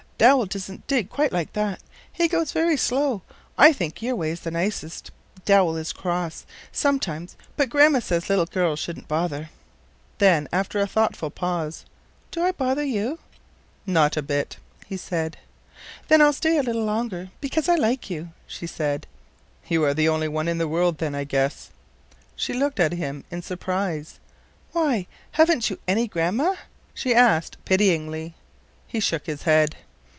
"Dowell doesn't dig quick like that. He goes very slow. I think your way is the nicest. Dowell is cross, sometimes, but Grandma says little girls shouldn't bother." Then, after a thoughtful pause, "Do I bother you?" "Not a bit," he said. "Then I'll stay a little longer, because I like you," she said. "You're the only one in the world, then, I guess." She looked at him in surprise. "Why, haven't you any Grandma?" she asked pityingly. He shook his head.